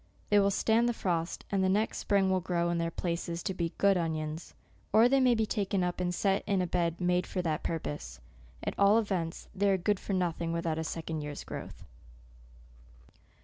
They will stand the frost, and the next spring will grow in their places to be good onions ; or they may be taken up and set in a bed made for that purpose. At all events, they are good for nothing without a second year's growth.